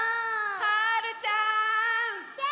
はるちゃん！